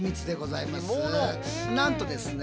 なんとですね